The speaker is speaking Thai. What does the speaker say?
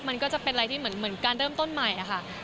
มันก็จะเป็นอะไรที่เหมือนการเริ่มต้นใหม่ค่ะ